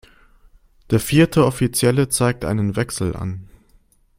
Der vierte Offizielle zeigt einen Wechsel an.